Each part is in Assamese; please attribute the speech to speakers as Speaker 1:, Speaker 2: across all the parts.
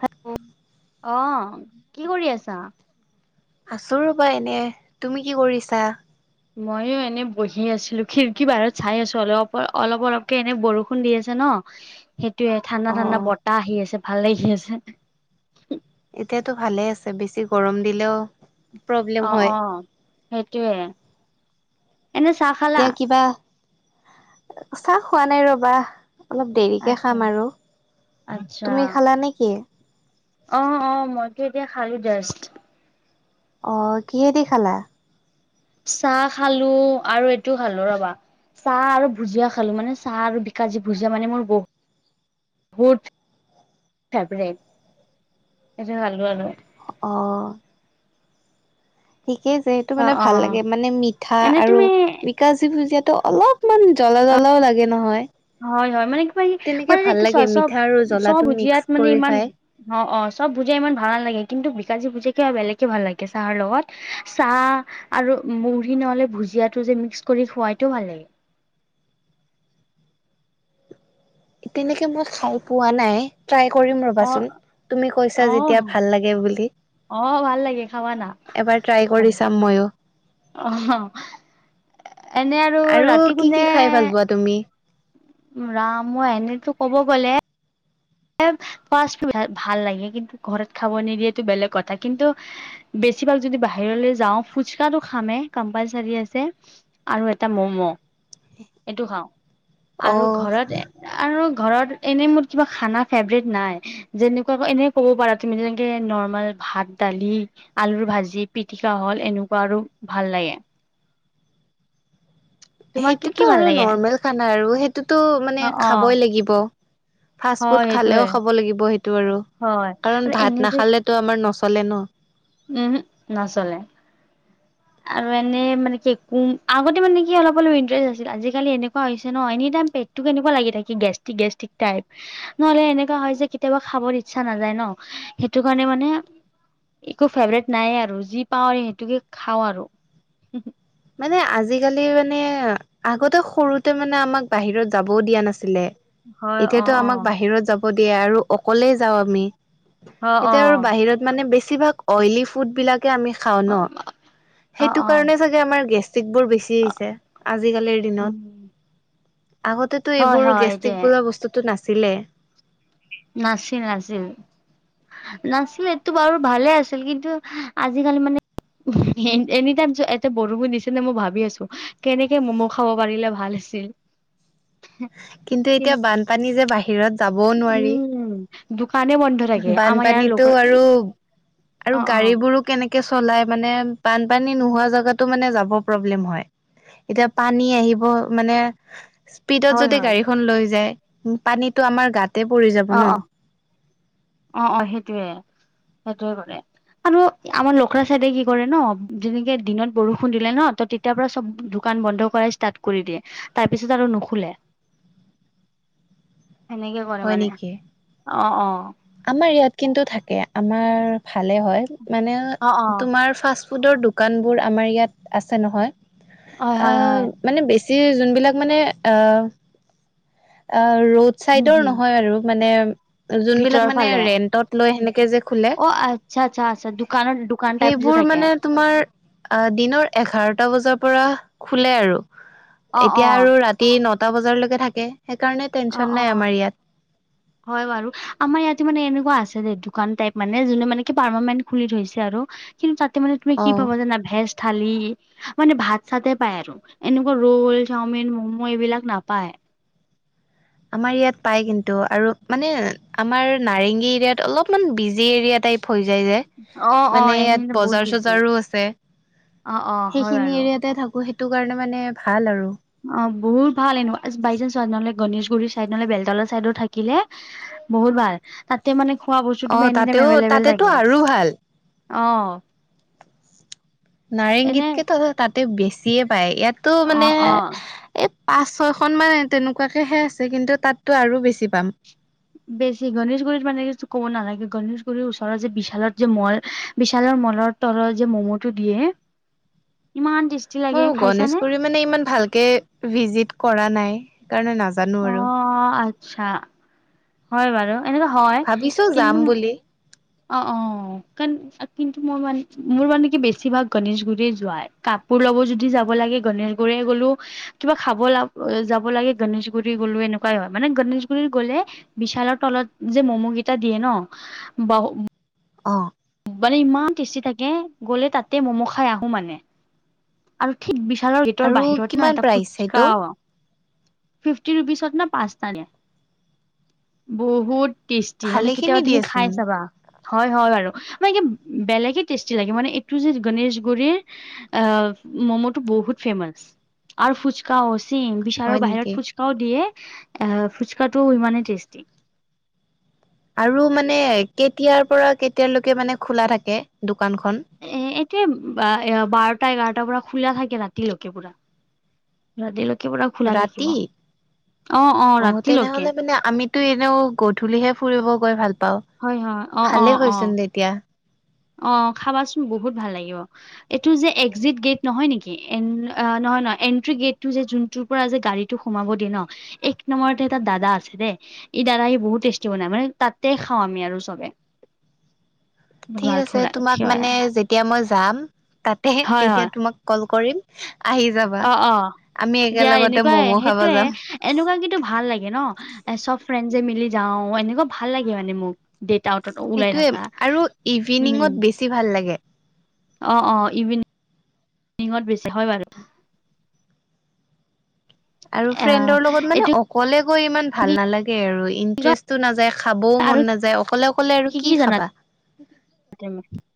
Speaker 1: হেল্ল' অ, কি কৰি আছা?
Speaker 2: আছোঁ ৰ'বা এনে। তুমি কি কৰিছা?
Speaker 1: মইয়ো এনে বহি আছিলো খিৰিকী বাহিৰত চাই আছো অলপ অ, অলপ-অলপকে এনে বৰষুণ দি আছে ন।
Speaker 2: উম,
Speaker 1: সেইটোয়ে ঠাণ্ডা-ঠাণ্ডা বতাহ আহি আছে ভাল লাগি আছে।
Speaker 2: এতিয়াতো ভালে আছে বেছি গৰম দিলেও প্ৰব্লেম
Speaker 1: অ',
Speaker 2: হয়।
Speaker 1: অ', সেইটোয়ে এনে চাহ খা
Speaker 2: এতিয়া কিবা, চাহ খোৱা নাই ৰবা। অলপ দেৰিকে
Speaker 1: আচ্ছা
Speaker 2: খাম আৰু,
Speaker 1: আচ্ছা
Speaker 2: তুমি খালা নে কি?
Speaker 1: অ', অ', মইতো এতিয়া খালো জাষ্ট।
Speaker 2: অ, কিহেদি খালা?
Speaker 1: চাহ খালো আৰু এইটো খালো ৰবা। চাহ আৰু ভুজিয়া খালো মানে চাহ আৰু বিকাজি ভুজিয়া মানে মোৰ বহুত বুট ফেভৰেট এইটো ভালকৈ জানো।
Speaker 2: অ', ঠিকেই যিহেতু
Speaker 1: অ
Speaker 2: মানে
Speaker 1: অ
Speaker 2: ভাল লাগে মানে মিঠা
Speaker 1: এনে
Speaker 2: আৰু
Speaker 1: তুমি
Speaker 2: বিকাজী ভুজিয়াতো অলপমান জ্বলা-জ্বলাও লাগে নহয়।
Speaker 1: হয়-হয় মানে কিবা
Speaker 2: তেনেকে
Speaker 1: মানে
Speaker 2: ভাল লাগে মিঠা আৰু
Speaker 1: চব-চব
Speaker 2: জ্বলাটো মিক্স
Speaker 1: ভুজিয়াত মানে
Speaker 2: কৰি
Speaker 1: ইমান
Speaker 2: খাই।
Speaker 1: অ', অ', চব ভুজিয়া ইমান ভাল নালাগে কিন্তু বিকাজী ভুজিয়া কিবা বেলেগকে ভাল লাগে চাহৰ লগত। চাহ আৰু মুড়ি নহ'লে ভুজিয়াটো যে মিক্স কৰি খুৱাইটো ভাল লাগে।
Speaker 2: তেনেকে মই খাই পোৱা নাই ট্ৰাই কৰিম
Speaker 1: অ
Speaker 2: ৰবাচোন, তুমি কৈছা
Speaker 1: অ
Speaker 2: যেতিয়া ভাল লাগে বুলি
Speaker 1: অ ভাল লাগে খাবা না
Speaker 2: এবাৰ ট্ৰাই কৰি চাম মইয়ো।
Speaker 1: অহ, এনে আৰু ৰাতি
Speaker 2: কি
Speaker 1: কোনে
Speaker 2: কি খাই ভাল পোৱা তুমি?
Speaker 1: ৰাম মই এনেতো ক'ব গ'লে এব ফাৰ্ষ্ট ভা-ভাল লাগে কিন্তু ঘৰত খাব নিদিয়েতো বেলেগ কথা কিন্তু বেছিভাগ যদি বাহিৰলৈ যাও ফুচকাটো খামে, কম্পালচাৰী আছে। আৰু এটা ম'ম এইটো খাও।
Speaker 2: অ
Speaker 1: আৰু ঘৰত এ আৰু ঘৰত এনেই মোৰ কিবা খানা ফেভৰেট নাই। যেনেকুৱা এনে ক'ব পাৰা তুমি যেনেকে নৰ্মেল ভাত, দালি আলুৰ ভাজি, পিতিকা হ'ল এনেকুৱা আৰু ভাল লাগে। তোমাক কি কি
Speaker 2: সেইটোতো
Speaker 1: ভাল
Speaker 2: আৰু
Speaker 1: লাগে
Speaker 2: নৰ্মেল খানা আৰু সেইটোতো
Speaker 1: অ
Speaker 2: মানে
Speaker 1: অ
Speaker 2: খাবই লাগিব। ফাষ্ট ফুড
Speaker 1: হয়
Speaker 2: খালেও
Speaker 1: সেইটোয়ে
Speaker 2: খাব লাগিব, সেইটো আৰু
Speaker 1: হয়
Speaker 2: কাৰণ
Speaker 1: আৰু এনে
Speaker 2: ভাত
Speaker 1: যে
Speaker 2: নাখালে ত, আমাৰ নচলে ন।
Speaker 1: উম, হু ন।
Speaker 2: [inaudible]
Speaker 1: আৰু এনে মানে কি কোম আগতে মানে কি অলপ-অলপ ইণ্টাৰেষ্ট আছিল আজিকালি এনেকুৱা হৈছে ন এনিটাইম পেক তো কেনেকোৱা লাগি থাকে গেষ্ট্ৰিক-গেষ্ট্ৰিক টাইপ। নহ'লে এনেকুৱা হয় যে কেতিয়াবা খাবৰ ইচ্ছা নাযায় ন, সেইটো কাৰণে মানে একো ফেভৰেট নাই আৰু যি পাও আৰু সেইটোকে খাও আৰু।
Speaker 2: মানে আজিকালি মানে আগতে সৰুতে মানে আমাক বাহিৰত যাবও দিয়া নাছিলে।
Speaker 1: হয় অ
Speaker 2: এতিয়াতো
Speaker 1: অ
Speaker 2: আমাক বাহিৰত যাব যাব দিয়া আৰু অকলে যাও আমি
Speaker 1: অ
Speaker 2: এতিয়া আৰু বাহিৰত মানে বেছিভাগ অইলী ফুড বিলাকে আমি খাও ন,
Speaker 1: অ অ
Speaker 2: সেইটো
Speaker 1: অ
Speaker 2: কাৰণে চাগে আমাৰ গেষ্টিকবোৰ বেছি হৈছে আজিকালিৰ
Speaker 1: উম
Speaker 2: দিনত আগতে তো
Speaker 1: হয়
Speaker 2: এইবোৰ
Speaker 1: হয় এইটোৱে
Speaker 2: গেষ্টিক বোলো বস্তুতো নাছিলে।
Speaker 1: নাছিলি-নাছিলি। নাছিলে এইটো বাৰু ভালে আছিল কিন্তু আজিকালি মানে হ'ম, এনিটাইম যে এটা বুৰ্বকৰ নিচিনা মই ভাবি আছো কেনেকে ম'ম' খাব পাৰিলে ভাল আছিল।
Speaker 2: কিন্তু এতিয়া
Speaker 1: কিন-
Speaker 2: বানপানী যে বাঢ়ি বাহিৰত যাব
Speaker 1: উম, দোকানে বন্ধ থাকে আমাৰ ইয়াৰ
Speaker 2: বানপানীতো
Speaker 1: লোকেল অ
Speaker 2: আৰু-আৰু
Speaker 1: অ
Speaker 2: গাড়ীবোৰো কেনেকে কেঁচু ওলাই মানে, বানপানী নোহোৱা জেগাতো মানে যাব প্ৰব্লেম হয়। এতিয়া পানী আহিব, মানে স্পীডত
Speaker 1: হয়
Speaker 2: যদি
Speaker 1: হয়
Speaker 2: গাড়ীখন লৈ যায় উ', পানীত আমাৰ গাতে পৰি যাব
Speaker 1: অ
Speaker 2: ন।
Speaker 1: অ অ', অ', সেইটোৱে-সেইটোৱে কৰে। আৰু আমাৰ লখৰা চাইডে কি কৰে ন' যেনেকে দিনত বৰষুণ দিলে ন, তেতিয়াৰ পৰা চব দোকান বন্ধ কৰাই ষ্টাৰ্ট কৰি দিয়ে তাৰ পিছত আৰু নুখোলে।
Speaker 2: উ', [inaudible]
Speaker 1: সেনেকে কৰে মানে
Speaker 2: নেকি?
Speaker 1: অ', অ',
Speaker 2: আমাৰ ইয়াত কিন্তু থাকে, আমাৰ ভালে হয়। মানে
Speaker 1: অ অ
Speaker 2: তোমাৰ ফাৰ্ষ্ট ফুডৰ দোকানবোৰ আমাৰ ইয়াত আছে নহয়।
Speaker 1: হয় হয় হয়
Speaker 2: অ, মানে বেছি যোনবিলাক মানে এ, অ', ৰোড
Speaker 1: হম
Speaker 2: চাইডৰ
Speaker 1: হম
Speaker 2: নহয় আৰু মানে, যোনবিলাক
Speaker 1: ভিতৰৰ
Speaker 2: মানে
Speaker 1: ফালে
Speaker 2: ৰেন্টত লৈ সেনেকে যে খোলে।
Speaker 1: অ আচ্ছা আচ্ছা আচ্ছা দোকানৰ দোকান টাইপ যে
Speaker 2: সেইবোৰ
Speaker 1: থাকে
Speaker 2: মানে তোমাৰ অ', দিনৰ এঘাৰটা বজাৰ পৰা খোলে আৰু
Speaker 1: অ অ
Speaker 2: এতিয়া আৰু ৰাতি ৰাতি নটা বজালৈকে থাকে সেইকাৰণে
Speaker 1: অ
Speaker 2: টেনচন
Speaker 1: অ
Speaker 2: নাই আমাৰ ইয়াত।
Speaker 1: হয়, বাৰু আমাৰ ইয়াতে মানে এনেকুৱা আছে দেই দোকান টাইপ মানে যোনে মানে কি পাৰ্মানেণ্ট খুলি থৈছে আৰু কিন্তু তাতে মানে তুমি
Speaker 2: অ
Speaker 1: কি পাবা জানা ভেজ থালি, মানে ভাত চাত পায় আৰু'। এনেকুৱা ৰোল, চাওমিন, ম'ম' এইবিলাক নাপায়।
Speaker 2: আমাৰ ইয়াত পাই কিন্তু আৰু মানে আমাৰ নাৰেঙংগী এৰিয়াত অলপমান বিজি এৰিয়া টাইপ। হৈ যায়
Speaker 1: অ
Speaker 2: যে।
Speaker 1: অ
Speaker 2: মানে ইয়াত
Speaker 1: এনে বহুত
Speaker 2: বজাৰ
Speaker 1: বিজি।
Speaker 2: চজাৰো আছে
Speaker 1: অ অ হয় বাৰু
Speaker 2: সেইখিনি এৰিয়াতে থাকো। সেইটো কাৰণে মানে ভাল আৰু।
Speaker 1: অ, বহুত ভাল এনে বাই চান্স চ নহলে গণেশগুৰিৰ চাইদ নহলে বেলতলৰ ছাইডো থাকিলে, বহুত ভাল তাতে মানে খোৱা বস্তু
Speaker 2: অ
Speaker 1: তুমি এনিটাইম
Speaker 2: তাতেও
Speaker 1: এভেইলেবেল
Speaker 2: তাতেতো
Speaker 1: থাকে।
Speaker 2: আৰু ভাল
Speaker 1: অ', এনে
Speaker 2: নাৰেংগীতকেতো তাতে বেছিয়ে পায়। ইয়াতো
Speaker 1: অ
Speaker 2: মানে
Speaker 1: অ
Speaker 2: এই পাঁচ ছয়খন মান তেনেকুৱাকেহে আছে কিন্তু তাতটো আৰু বেছি পাম।
Speaker 1: বেছি গণেশগুৰিত মানে কি ক'ব নালাগে, গণেশগুৰিৰ ওচৰত যে বিশালত যে মল বিশালৰ মলত তলৰ যে ম'ম' টো দিয়ে,
Speaker 2: উ', [unintelligible]
Speaker 1: ইমান টেষ্টি লাগে
Speaker 2: মই
Speaker 1: খাইছানে?
Speaker 2: গণেশগুৰি মানে ইমান ভালকে ভিজিট কৰা নাই, সেইকাৰণে নাজানোঁ আৰু।
Speaker 1: চা, হয় বাৰু এনেকোঁৱা হয়
Speaker 2: ভাবিছো যাম
Speaker 1: কিন্তু'
Speaker 2: বুলি
Speaker 1: অ', অ', কি কিন্তু মোৰ মান মোৰ মানে কি বেছিভাগ গণেশগুৰি যোৱাৰ, কাপোৰ লব যদি যাব লাগে গণেশগুৰিয়ে গ'লো। কিবা খাব ল যাব লাগে গনেশ গুৰি গ'লো, এনেকুৱাই হয় মানে গনেশগুৰি গ'লে বিশালৰ তলত যে ম'ম'কেইটা দিয়ে ন ব
Speaker 2: অঁ,
Speaker 1: মানে ইমান টেষ্টি থাকে গ'লে তাতে মম' খাই আহোঁ মানে। আৰু ঠিক বিশালৰ গেটৰ
Speaker 2: আৰু
Speaker 1: বাহিৰত ন
Speaker 2: কিমান
Speaker 1: এটা
Speaker 2: প্ৰাইচ সেইটো
Speaker 1: ফুচকাও, ফিফটি ৰুপিচত না পাঁচটা দিয়ে, বহুত টেষ্টি মানে
Speaker 2: ভালেখিনি
Speaker 1: কেতিয়াবা তুমি
Speaker 2: দিয়েচোন
Speaker 1: খাই চাবা। হয়-হয় বাৰু মানে বেলেগে টেষ্টি লাগে, মানে এইটো যে গণেশগুৰিৰ অ, ম'ম'টো বহুত ফেমাচ আৰু ফুচকা অ, চেম বিশালৰ
Speaker 2: হয় নেকি
Speaker 1: বাহিৰত ফুচকা কাও দিয়ে এ ফুচকাটোও ইমানেই টেষ্টি।
Speaker 2: আৰু মানে কেতিয়াৰ পৰা কেতিয়ালৈকে মানে খোলা থাকে দোকানখন?
Speaker 1: এ এতিয়া এ বাৰটা এঘাৰটাৰ পৰা খোলা থাকে ৰাতিলৈকে পুৰা। ৰাতিলৈকে পুৰা খোলা থাকিব
Speaker 2: ৰাতি
Speaker 1: অ, অ, ৰাতিলৈকে।
Speaker 2: মানে আমিতো এনেও গধূলিহে ফুৰিব গৈ ভাল পাওঁ,
Speaker 1: হয় হয় অ অ
Speaker 2: ভালে
Speaker 1: অ
Speaker 2: হয় চোন তেতিয়া।
Speaker 1: অ' খাবাচোন বহুত ভাল লাগিব। এইটো যে একযিট গেট নহয় নেকি এন নহয় নহয় এনট্ৰি গেটটো যে যোনটো পৰা যে গাড়ীটো সোমাব দিয়ে ন এক নম্বৰতে এটা দাদা আছে দেই এই দাদাই সি বহুত টেষ্টি বনাই মানে তাতে খাওঁ আমি আৰু চবে। বহুত
Speaker 2: ঠিক
Speaker 1: ভাল
Speaker 2: আছে
Speaker 1: খোলা
Speaker 2: তোমাক
Speaker 1: খিৱাই
Speaker 2: মানে যেত তিয়া মই যাম তাতে
Speaker 1: হয়
Speaker 2: তেতিয়া
Speaker 1: হয়
Speaker 2: তোমাক কল কৰিম আহি যাব
Speaker 1: অ' অ' দিয়া এনেকুৱাই
Speaker 2: খাব
Speaker 1: সেইটোৱে।
Speaker 2: যাম
Speaker 1: এনেকুৱা কিন্তু ভাল লাগে ন, এ চব ফ্ৰেণ্ডজে মিলি যাও এনেকুৱা ভাল লাগে মানে মোক। ডেট আউটট ওলাই
Speaker 2: সেইটোয়ে
Speaker 1: থাকা
Speaker 2: আৰু
Speaker 1: উম।
Speaker 2: ইভিনিঙত বেছি ভাল লাগে।
Speaker 1: অ'অ' ইভিনিংত বেছি হয় বাৰু।
Speaker 2: আৰু
Speaker 1: আহ
Speaker 2: ফ্ৰেণ্ডৰ লগত মানে
Speaker 1: এইটো
Speaker 2: অকলে গৈ ইমান
Speaker 1: কি
Speaker 2: ভাল নালাগে আৰু
Speaker 1: কয়
Speaker 2: ইন্টৰেষ্ট টো নাযায়, খাবও
Speaker 1: আৰু
Speaker 2: মন নাযায় অকলে অকলে আৰু কি খাবা?
Speaker 1: [unintelligible]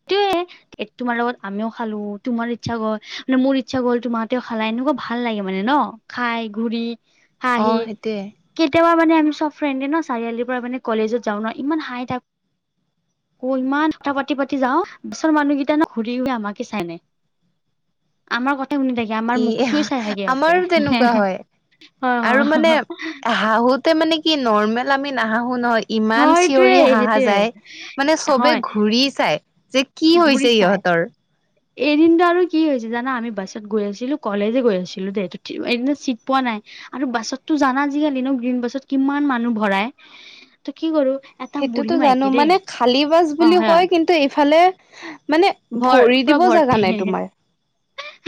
Speaker 2: [inaudible]
Speaker 1: এ তোমাৰ লগত আমিও খালো তোমাৰ ইচ্ছা গল মানে মোৰ ইচ্ছা গল তোমাহতেও খালা এনেকুৱা ভাল লাগে মানে ন। খাই ঘূৰি,
Speaker 2: অ
Speaker 1: হাঁহি
Speaker 2: সেইটোয়ে
Speaker 1: কেতিয়াবা মানে আমি চব ফ্ৰেণ্ডে ন চাৰিআলিৰ পৰা মানে কলেজত যাওঁ ন ইমান হাঁহি থাকোঁ। ইমান কথা পাতি পাতি যাও ওচৰৰ মানুহ কেইটা ন ঘূৰি ঘুৰে আমাকে চাই নাই আমাৰ কথা শুনি থাকে। আমাৰ
Speaker 2: ই
Speaker 1: মুখটোয়ে চাই থাকে ইহঁতে
Speaker 2: আমাৰো
Speaker 1: হয়।
Speaker 2: তেনেকুৱা হয় এতিয়া মানে কি নৰ্মেল আমি নাহাহোঁ নহয়। ইমান
Speaker 1: হয় সেইটোৱে
Speaker 2: চিঞৰি হাহা
Speaker 1: সেইটোৱে
Speaker 2: যায়, মানে চবে
Speaker 1: হয়
Speaker 2: ঘূৰি চায়। যে কি
Speaker 1: ঘূৰি
Speaker 2: হৈছে
Speaker 1: চাই
Speaker 2: ইহঁতৰ?
Speaker 1: এদিনটো আৰু কি হৈছে জানা, আমি বাছত গৈ আছিলো কলেজে গৈ আছিলো দেই এদিন চিট পোৱা নাই, আৰু বাছততো জানা আজিকালি ন গ্ৰীণ বাছত কিমান মানুহ ভৰাই, ত' কি কৰো- এটা বুঢ়ী
Speaker 2: সেইটোতো জানো
Speaker 1: মাইকী দেই
Speaker 2: মানে খালী বাছ
Speaker 1: অ
Speaker 2: বুলি
Speaker 1: হয়
Speaker 2: কয়, কিন্তু এইফালে মানে,
Speaker 1: ভৰ
Speaker 2: ভৰি দিব জাগা নাই তোমাৰ।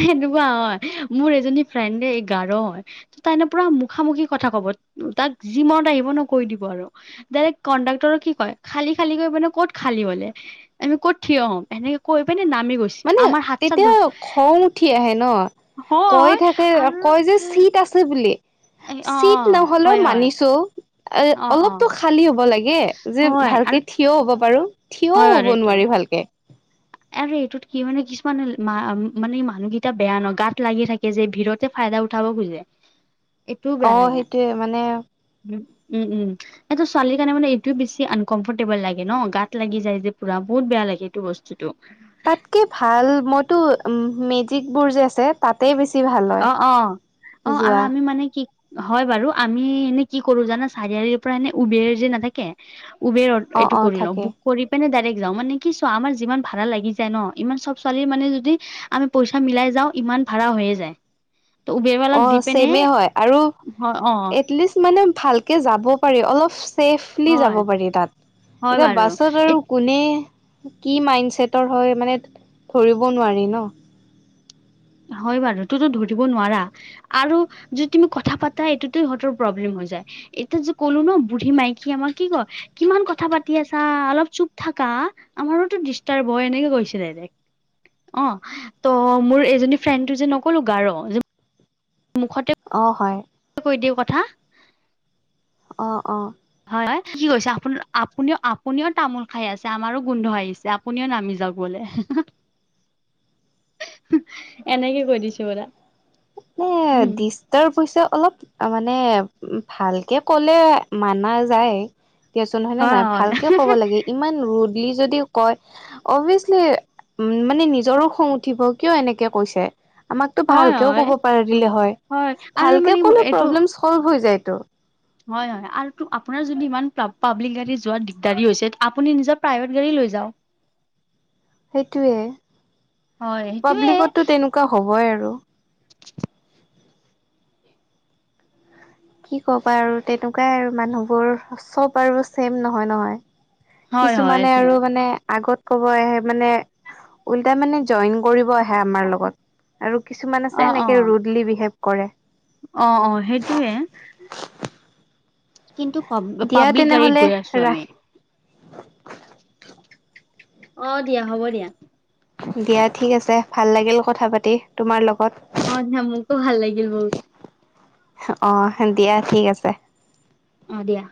Speaker 1: হেনেকুৱা অ মোৰ এজনী ফ্ৰেণ্ডে এই গাৰো হয়। ত তাই ম পুৰা মুখামুখি কথা কব তাক যি মনত আহিব ন কৈ দিব আৰু। ডাইৰেক্ কণ্ডাক্টৰক কি কয় খালী খালী কৰি মানে ক'ত খালী হলে আমি ক'ত থিয় হ'ম এনেকে কৈ পানে নামি গৈছে।
Speaker 2: মানে
Speaker 1: আমাৰ হাত চাত ধ
Speaker 2: তেতিয়া খং উঠি আহে ন কৈ
Speaker 1: হয়
Speaker 2: থাকে কয় যে
Speaker 1: আৰু
Speaker 2: চীট আছে। বুলি
Speaker 1: এই অ',
Speaker 2: চিট
Speaker 1: অ',
Speaker 2: নহ'লেও
Speaker 1: হয়, হয়,
Speaker 2: মানিছো এ
Speaker 1: অ', অ',
Speaker 2: অলপতো খালী হ'ব লাগে যে
Speaker 1: হয়
Speaker 2: ভালকে
Speaker 1: আৰু
Speaker 2: থিয় হব পাৰো। থিয়ও
Speaker 1: হয়
Speaker 2: হ'ব
Speaker 1: বাৰু এইটো।
Speaker 2: নোৱাৰে ভালকে।
Speaker 1: আৰু এইটোত কি হয়নো কিছুমান মানে মানুহকেইটা বেয়া ন গাত লাগি থাকে যে ভিৰত। ফাইদা উঠাব খুজে।
Speaker 2: [inaudible]
Speaker 1: এইটোও
Speaker 2: অ
Speaker 1: বেয়া লাগে,
Speaker 2: সেইটোয়ে মানে
Speaker 1: উম, উম, উম' এইটো ছোৱালী কাৰণে মানে এইটো বেছি আনকমফৰ্টেবল লাগে ন, গাত লাগি যায় যে পুৰা বহুত বেয়া লাগে এইটো বস্তু। তু,
Speaker 2: তাতকে ভাল মইতো মেজিকবোৰ যে আছে, তাতে বেছি ভাল। হয়।
Speaker 1: অ' অ' অ' আৰু
Speaker 2: যোৱা
Speaker 1: আমি মানে কি হয় বাৰু আমি এনে কি কৰো জানা, চাৰিআলিৰ পৰা এনে উবেৰ যে নাথাকে উবেৰত
Speaker 2: অ
Speaker 1: এইটো
Speaker 2: অ
Speaker 1: কৰি লওঁ
Speaker 2: থাকে
Speaker 1: বুক, কৰি পিনে ডাইৰেক্ট যাওঁ, মানে কি চোৱা আমাৰ যিমান ভাড়া লাগি যায় ন ইমান চব ছোৱালীৰ মানে যদি আমি পইচা মিলাই যাও ইমান ভাড়া হৈয়ে যায়। ত উবেৰৱালাক দি
Speaker 2: অ'
Speaker 1: পিনে
Speaker 2: ছেমে হয় আৰু
Speaker 1: হয় অ
Speaker 2: এটলিষ্ট, মানে ভালকে যাব পাৰি অলপ ছেফলি যাব
Speaker 1: হয়
Speaker 2: পাৰি তাত,
Speaker 1: হয়
Speaker 2: এতিয়া বাছত
Speaker 1: বাৰু
Speaker 2: আৰু কোনে কি মাইণ্ডছেটৰ হয় মানে ধৰিব নোৱাৰি ন।
Speaker 1: হয় বাৰু তোতো ধৰিব নোৱাৰা। আৰু যদি তুমি কথা পাতা এইটোত সিহঁতৰ প্ৰবলেম হৈ যায়। এতি যে কলো ন বুঢ়ী মাইকী আমাক কি কয়, কিমান কথা পাতি আছা অলপ চুপ থাকা। আমাৰোতো দিষ্টাৰ হয় এনেকে কৈছিলে, অ ত মোৰ এজনী ফ্ৰেডটো যে নক'লো গা ৰ মুখতে,
Speaker 2: অঁ হয়,
Speaker 1: কৈ দিওঁ কথা।
Speaker 2: অঁ অঁ
Speaker 1: হয় হয় কি কৈছে, আপু আপুনিও আপুনিও তামোল খাই আছে আমাৰো গোন্ধ আহিছে। আপুনিও নামি যাওক বোলে।
Speaker 2: [inaudible]
Speaker 1: এনেকে কৈ দিছে পোৰা।
Speaker 2: উম দিছ তাৰ পইছে অলপ তামানে ভালকে ক'লে মানা যায়। দিয়াচোন হয় নে নহয় ভালকে ক'ব লাগে ইমান ৰু'দলি যদি কয়, অভিয়াচলি উম মানে নিজৰো খং উঠিব, কিয় এনেকে কৈছে আমাকতো ভাল
Speaker 1: হয়
Speaker 2: কেও
Speaker 1: হয়
Speaker 2: ক'ব পাৰিলে হয়,
Speaker 1: আৰু
Speaker 2: ভালকে
Speaker 1: মানে
Speaker 2: ক'লে
Speaker 1: এইটো
Speaker 2: প্ৰব্লেম চল্ভ হৈ যায়তো।
Speaker 1: হয় হয় আৰু টো আপোনাৰ যদি ইমান পাব্লিক গাড়ী যোৱাত দিগদাৰী হৈছে, আপুনি নিজৰ প্ৰাইভেট গাড়ী লৈ যাওক।
Speaker 2: সেইটোয়ে
Speaker 1: হয় সেইটোয়ে
Speaker 2: পাব্লিকতো তেনেকুৱা হ'বই আৰু কি ক'বা আৰু তেনেকুৱাই আৰু মানুহবোৰ, চব আৰু ছেইম নহয় নহয়।
Speaker 1: হয় হয়
Speaker 2: কিছুমানে
Speaker 1: এইটোয়ে
Speaker 2: আৰু মানে আগত ক'ব আহে মানে উল্টাই মানে জইন কৰিব আ আহে আমাৰ লগত আৰু কিছুমান
Speaker 1: অ
Speaker 2: আছে
Speaker 1: অ
Speaker 2: এনেকে ৰুডলি বিহেভ কৰে।
Speaker 1: অ অ সেইটোয়ে। কিন্তু পাব
Speaker 2: দিয়া
Speaker 1: পাব্লিক গাড়ীত
Speaker 2: তেনেহলে
Speaker 1: গৈ আছো আমি।
Speaker 2: ৰাখ
Speaker 1: অ দিয়া হ'ব দিয়া।
Speaker 2: দিয়া ঠিক আছে, ভাল লাগিল কথা পাতি তোমাৰ লগত।
Speaker 1: অহ দিয়া, মোকো ভাল লাগিল বহুত।
Speaker 2: অঁ দিয়া ঠিক আছে।
Speaker 1: অ দিয়া।